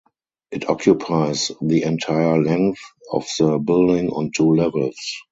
It occupies the entire length of the building on two levels.